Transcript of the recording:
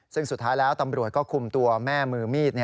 ซึ่งสุดท้ายแล้วตำรวจก็คุมตัวแม่มือมีด